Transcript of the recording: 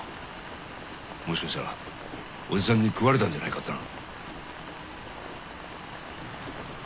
もしかしたらおじさんに食われたんじゃないかってな。